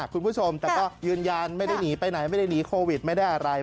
คุณผู้ชมแต่ก็ยืนยันไม่ได้หนีไปไหนไม่ได้หนีโควิดไม่ได้อะไร